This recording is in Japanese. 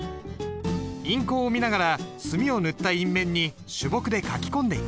印稿を見ながら墨を塗った印面に朱墨で書き込んでいく。